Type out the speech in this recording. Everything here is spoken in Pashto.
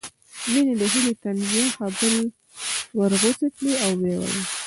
مينې د هيلې طنزيه خبرې ورغوڅې کړې او ويې ويل